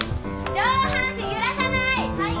上半身揺らさない！